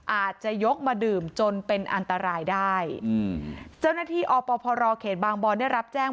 อาจจะยกมาดื่มจนเป็นอันตรายได้อืมเจ้าหน้าที่อพรเขตบางบอนได้รับแจ้ง